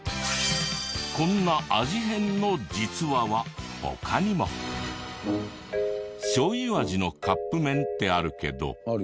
こんな味変の「実は」は他にも。しょう油味のカップ麺ってあるけど。